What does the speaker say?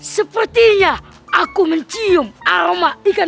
sepertinya aku mencium aroma